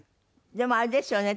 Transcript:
でもあれですよね。